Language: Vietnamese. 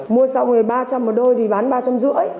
mua xong rồi ba trăm linh một đôi thì bán ba trăm năm mươi